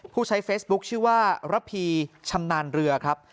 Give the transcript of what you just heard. ผู้ใช้เฟซบุ๊คชื่อว่าระพีชำนาญเรือครับ